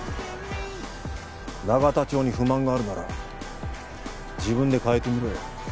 永田町に不満があるなら自分で変えてみろよ。